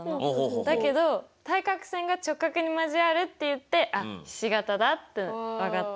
だけど「対角線が直角に交わる」って言って「あっひし型だ」って分かった。